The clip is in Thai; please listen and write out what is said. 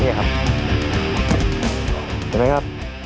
เห็นไหมครับนี่ถ้าเกิดระดับเอวนะครับ